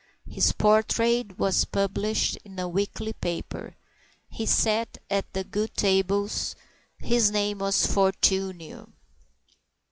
His portrait was published in a weekly paper. He sat at the good tables. His name was Fortunio.